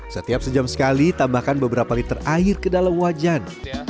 setiap sejam sekali tambahkan beberapa liter air ke dalam wajan